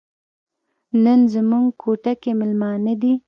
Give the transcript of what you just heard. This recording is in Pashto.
نن زموږ کوټه کې میلمانه دي.